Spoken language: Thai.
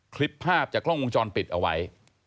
คลิปภาพจากกล้องวงจรปิดเอาไว้